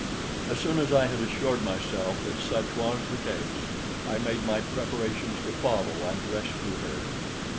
As soon as I had assured myself that such was the case, I made my preparations to follow and rescue her.